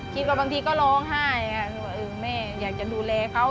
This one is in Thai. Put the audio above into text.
คิดว่าบางทีก็ร้องไห้แม่อยากจะดูแลเขา